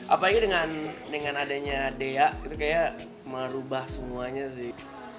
apalagi dengan adanya dea itu kayaknya merubah semuanya sih